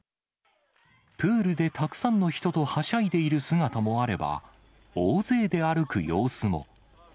プールでたくさんの人とはしゃいでいる姿もあれば、大勢で歩く様子も。